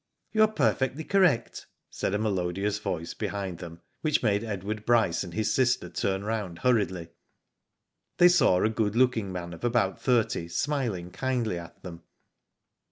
"You are perfectly correct,*' said a melodious voice behind them, which made Edward Bryce and his sister turn round hurriedly. They saw a good looking man of about thirty, smiling kindly at them.